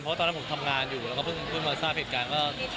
เพราะตอนนั้นผมทำงานอยู่แล้วก็เพิ่งมาทราบเหตุการณ์ว่า